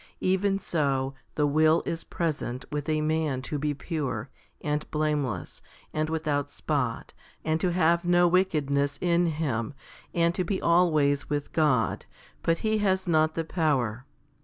Even so the will is present 2 with a man to be pure, and blameless, and with out spot, and to have no wickedness in him, but to be always with God ; but he has not the power.